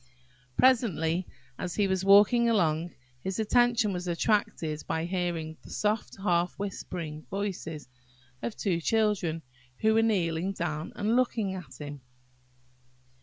Presently, as he was walking along, his attention was attracted by hearing the soft half whispering voices of two children, who were kneeling down and looking at him.